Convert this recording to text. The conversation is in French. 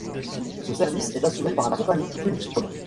Ce service est assuré par la compagnie Swisscom.